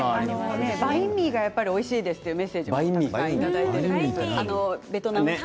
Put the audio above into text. バインミーがおいしいですというメッセージをいただいています。